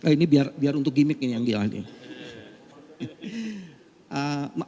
ini biar untuk gimmick